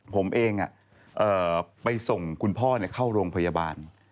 ผมเองไปส่งคุณพ่อเข้าโรงพยาบาล